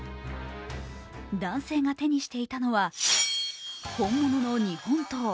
男性が手にしていたのは本物の日本刀。